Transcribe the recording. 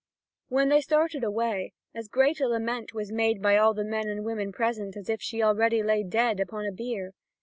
When they started away, as great a lament was made by all the men and women present as if she already lay dead upon a bier.